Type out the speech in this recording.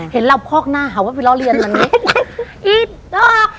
เห็นเล่าคอกหน้าหาว่าไปเล่าเรียนมันอย่างเงี้ย